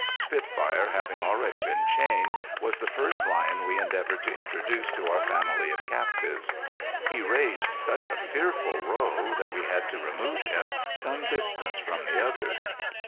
Spitfire, having already been chained, was the first lion we endeavored to introduce to our family of captives. He raised such a fearful row that we had to remove him some distance from the others.